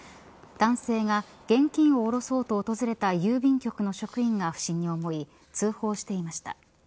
男性が現金をおろそうと訪れた郵便局の職員が不審に思い通報していました。